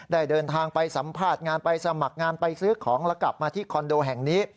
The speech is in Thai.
เดินทางไปสัมภาษณ์งานไปสมัครงานไปซื้อของแล้วกลับมาที่คอนโดแห่งนี้